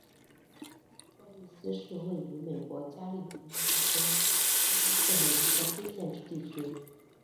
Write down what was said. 霍利斯是位于美国加利福尼亚州克恩县的一个非建制地区。